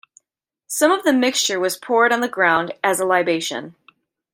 Some of the mixture was poured on the ground as a libation.